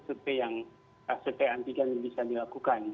seperti yang setelah antigen bisa dilakukan